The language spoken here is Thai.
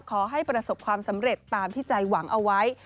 ขอให้ประสบความสำเร็จตามที่ใจหวังเอาไว้